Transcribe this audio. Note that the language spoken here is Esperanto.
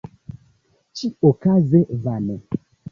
Ĉi-okaze vane.